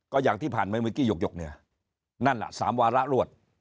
ก็อย่างที่ผ่านมาเมื่อกี้หยกเนี่ยนั่นน่ะ๓วาระรวด